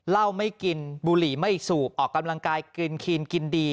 ไม่กินบุหรี่ไม่สูบออกกำลังกายกินคีนกินดี